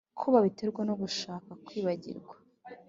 ko babiterwa no gushaka kwibagirwa